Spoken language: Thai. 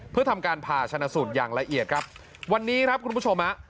เพื่อทำการผ่าชนะสูตรอย่างละเอียดครับวันนี้ครับคุณผู้ชมฮะ